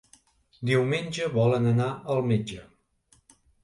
Diumenge volen anar al metge.